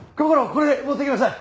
これ持っていきなさい。